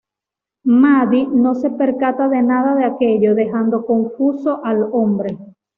Maddie no se percata de nada de aquello, dejando confuso al hombre.